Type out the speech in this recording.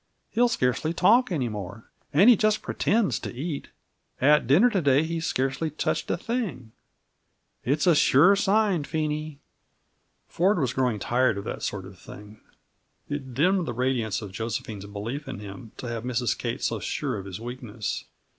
He'll scarcely talk any more, and he just pretends to eat. At dinner to day he scarcely touched a thing! It's a sure sign, Phenie." Ford was growing tired of that sort of thing. It dimmed the radiance of Josephine's belief in him, to have Mrs. Kate so sure of his weakness.